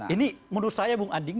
ini menurut saya bung ading